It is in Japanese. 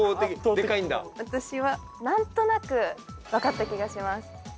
私はなんとなくわかった気がします。